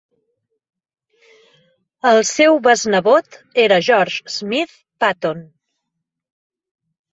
El seu besnebot era George Smith Patton.